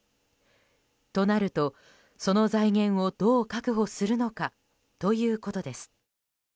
となると、その財源をどう確保するのかということです。